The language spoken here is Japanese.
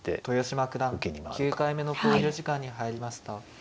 豊島九段９回目の考慮時間に入りました。